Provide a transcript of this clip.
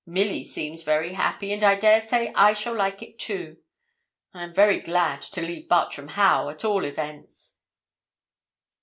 Milly seems very happy, and I dare say I shall like it too. I am very glad to leave Bartram Haugh, at all events.'